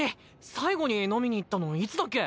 最後に飲みに行ったのいつだっけ？